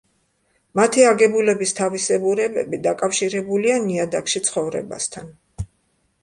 მათი აგებულების თავისებურებები დაკავშირებულია ნიადაგში ცხოვრებასთან.